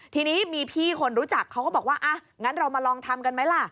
ทีนี้มีพี่คนรู้จักเขาก็บอกว่าอ่ะงั้นเรามาลองทำกันไหมล่ะ